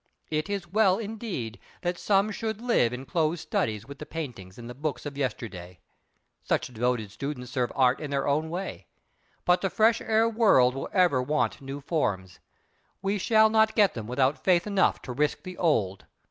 It is well, indeed, that some should live in closed studies with the paintings and the books of yesterday—such devoted students serve Art in their own way. But the fresh air world will ever want new forms. We shall not get them without faith enough to risk the old!